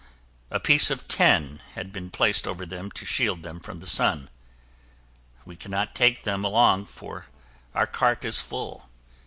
A piece of tin had been placed over them to shield them from the sun. We cannot take them along for our cart is full.